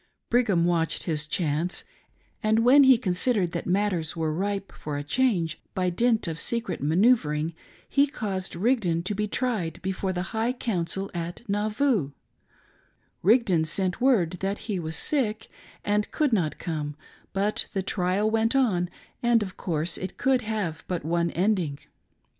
Brigham watched his chance, and when he considered that matters were ripe for a change, by dint of secret manoeuver ing, he caused Rigdon to be tried before the " High. Council " HOW BRIGHAM YOUNG OBTAINED HIS POSITION. 269 at Nauvoo. Rigdon sent word that he was sick, and could not come, but the trial went on, and of course it could have but one ending.